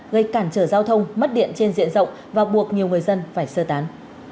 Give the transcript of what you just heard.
gây cản trở giao thông mất điện trên diện rộng và buộc nhiều người dân phải sơ tán